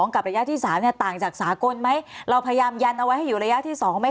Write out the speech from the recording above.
กับระยะที่๓ต่างจากสากลไหมเราพยายามยันเอาไว้ให้อยู่ระยะที่๒ไหมค